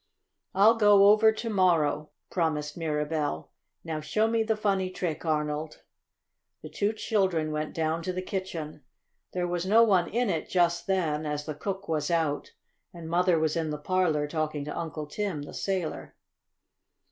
"I'll go over to morrow," promised Mirabell. "Now show me the funny trick, Arnold." The two children went down to the kitchen. There was no one in it just then, as the cook was out, and Mother was in the parlor talking to Uncle Tim, the sailor.